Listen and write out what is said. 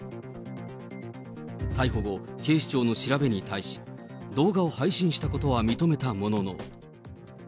逮捕後、警視庁の調べに対し、動画を配信したことは認めたものの。